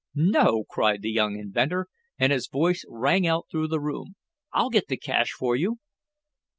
"No!" cried the young inventor, and his voice rang out through the room. "I'll get the cash for you!"